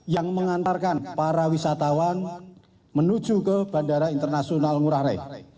yang mengantarkan para wisatawan menuju ke bandara internasional ngurah rai